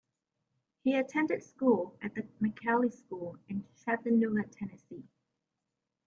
He attended school at The McCallie School in Chattanooga, Tennessee.